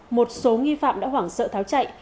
một số nghi phạm đã hoảng sợ tháo chạy